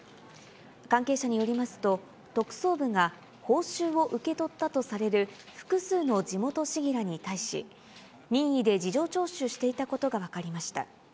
関係者によりますと、特捜部が報酬を受け取ったとされる複数の地元市議らに対し、任意で事情聴取していたことが分かりました。